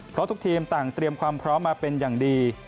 เพราะทุกทีมต่างเตรียมความพร้อมมาเป็นอย่างดี